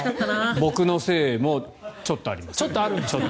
僕のせいもちょっとあります。